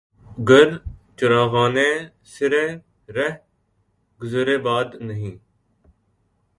گر چراغانِ سرِ رہ گزرِ باد نہیں